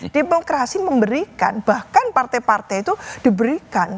demokrasi memberikan bahkan partai partai itu diberikan